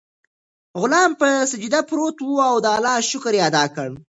غلام په سجده پریووت او د الله شکر یې ادا کړ.